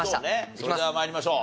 それでは参りましょう。